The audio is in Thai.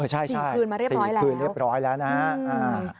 ใช่สี่คืนมาเรียบร้อยแล้วนะฮะอืม